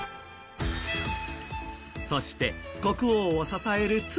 そして国王を支える妻